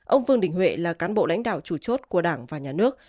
ông vương đình huệ là cán bộ lãnh đạo chủ chốt của đảng và nhà nước